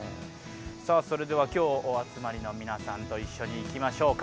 それでは今日お集まりの皆さんと一緒にいきましょうか。